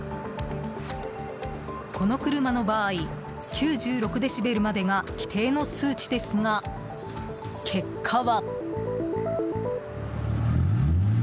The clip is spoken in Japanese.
この車の場合９６デシベルまでが規定の数値ですが、結果は。